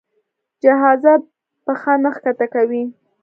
جهازه پښه نه ښکته کوي.